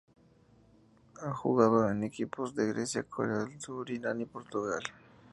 Ha jugado en equipos de Grecia, Corea del Sur, Irán y Portugal.